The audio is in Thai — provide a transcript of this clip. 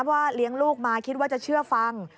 ว่าเลี้ยงลูกมาคิดว่าจะเชื่อฟัง